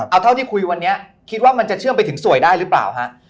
เอาเท่าที่คุยวันนี้คิดว่ามันจะเชื่อมไปถึงสวยได้หรือเปล่าฮะ